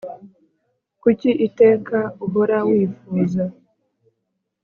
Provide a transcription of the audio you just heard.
Kuki iteka uhora wifuza